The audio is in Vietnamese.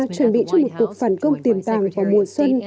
chuẩn bị cho một cuộc phản công tiềm tàng vào mùa xuân